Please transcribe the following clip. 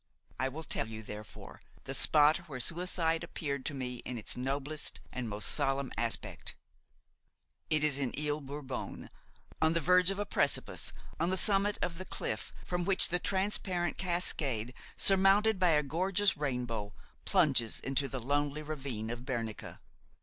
I will tell you, therefore, the spot where suicide appeared to me in its noblest and most solemn aspect. It is in Ile Bourbon, on the verge of a precipice, on the summit of the cliff from which the transparent cascade, surmounted by a gorgeous rainbow, plunges into the lonely ravine of Bernica.